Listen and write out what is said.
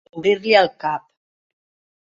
Obrir-li el cap.